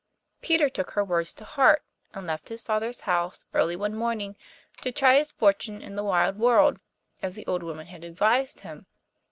Peter took her words to heart, and left his father's house early one morning to try his fortune in the wide world, as the old woman had advised him.